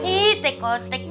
ih tekotek takut